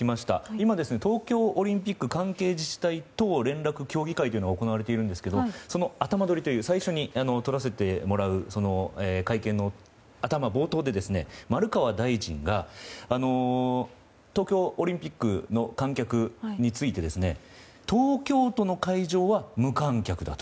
今、東京オリンピック関係自治体等連絡協議会が行われているんですがその頭撮りという最初に撮らせてもらう会見の冒頭で、丸川大臣が東京オリンピックの観客について東京都の会場は無観客だと。